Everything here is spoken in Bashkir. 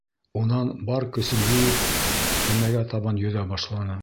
Унан, бар көсөн йыйып, кәмәгә табан йөҙә башланы.